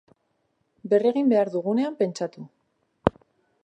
Berregin behar dugunean pentsatu.